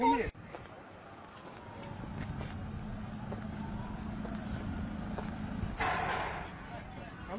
ตายอีกแล้ว